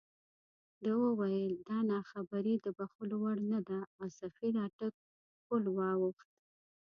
ده وویل دا ناخبري د بښلو وړ نه ده او سفیر اټک پُل واوښت.